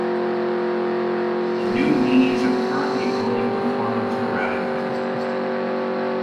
The New Meanies are currently only performing sporadically.